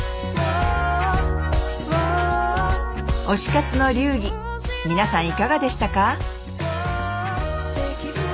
推し活の流儀皆さんいかがでしたか？